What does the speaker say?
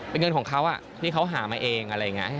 เป็นเงินของเขาที่เขาหามาเองอะไรอย่างนี้